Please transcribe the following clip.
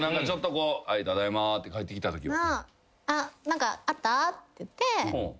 「はいただいま」って帰ってきたときは。